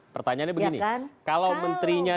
pertanyaannya begini kalau menterinya